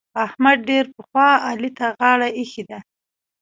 احمد ډېر پخوا علي ته غاړه اېښې ده.